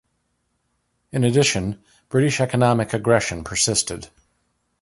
In addition, British economic aggression persisted.